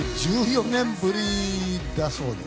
１４年ぶりだそうで。